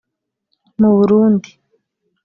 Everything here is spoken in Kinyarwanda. mu Burundi